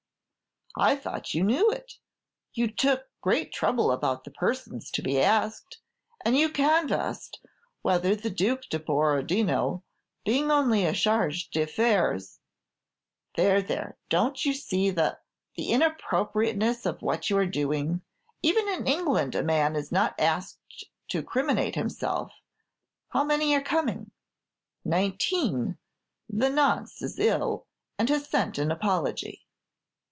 "I thought you knew it; you took great trouble about the persons to be asked, and you canvassed whether the Duc de Borodino, being only a Chargé d'Affaires " "There, there; don't you see the the inappropriateness of what you are doing? Even in England a man is not asked to criminate himself. How many are coming?" "Nineteen; the 'Nonce' is ill, and has sent an apology."